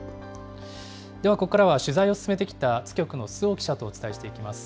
ではここからは、取材を進めてきた津局の周防記者とお伝えしてまいります。